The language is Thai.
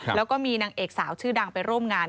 แล้วก็มีนางเอกสาวชื่อดังไปร่วมงาน